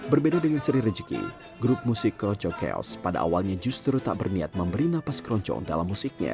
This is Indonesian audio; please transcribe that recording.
berbeda dengan seri rejeki grup musik keronco chaos pada awalnya justru tak berniat memberi napas keroncong dalam musiknya